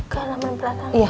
ke halaman belakang